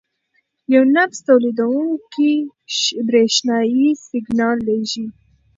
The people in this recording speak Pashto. یو نبض تولیدوونکی برېښنايي سیګنال لېږي.